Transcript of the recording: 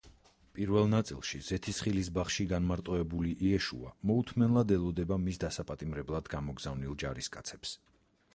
პირველ ნაწილში ზეთისხილის ბაღში განმარტოებული იეშუა მოუთმენლად ელოდება მის დასაპატიმრებლად გამოგზავნილ ჯარისკაცებს.